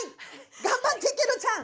頑張ってケロちゃん！